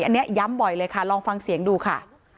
อันนี้ย้ำบ่อยเลยค่ะลองฟังเสียงดูค่ะ